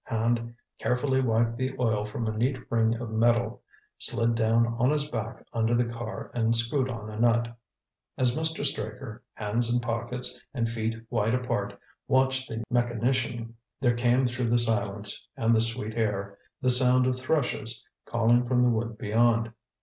Hand carefully wiped the oil from a neat ring of metal, slid down on his back under the car and screwed on a nut. As Mr. Straker, hands in pockets and feet wide apart, watched the mechanician, there came through the silence and the sweet air the sound of thrushes calling from the wood beyond.